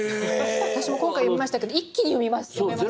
私も今回読みましたけど一気に読めますよね。